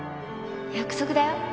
約束だよ